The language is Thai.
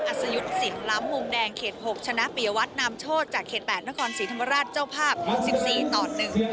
สยุทธ์สินล้ำมุมแดงเขตหกชนะปียวัตรนามโชธจากเขตแปดนครศรีธรรมราชเจ้าภาพสิบสี่ต่อหนึ่ง